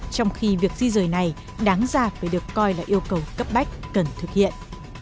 trong khi việc di rời này đáng ra phải được coi là yêu cầu cấp bách cần thực hiện